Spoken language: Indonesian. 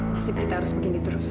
nasib kita harus begini terus